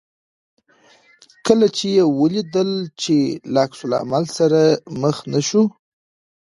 کله چې یې ولیدل چې له عکس العمل سره مخ نه شو.